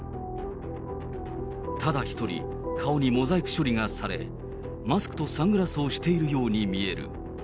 ただ一人、顔にモザイク処理がされ、マスクとサングラスをしているように見える。